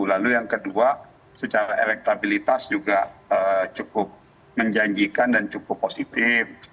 lalu yang kedua secara elektabilitas juga cukup menjanjikan dan cukup positif